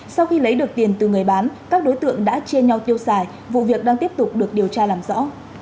sau khi lấy được tiền từ người bán các đối tượng đã chia nhau tiêu xài vụ việc đang tiếp tục được điều tra làm rõ